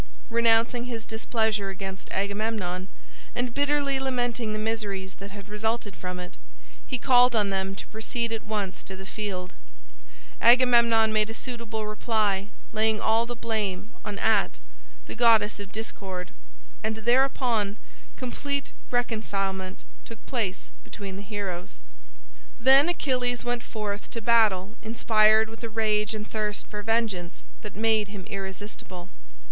Renouncing his displeasure against Agamemnon and bitterly lamenting the miseries that had resulted from it, he called on them to proceed at once to the field. Agamemnon made a suitable reply, laying all the blame on Ate, the goddess of discord; and thereupon complete reconcilement took place between the heroes. Then Achilles went forth to battle inspired with a rage and thirst for vengeance that made him irresistible.